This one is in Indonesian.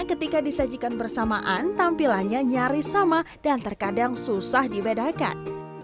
ketika disajikan bersamaan tampilannya nyaris sama dan terkadang susah dibedakan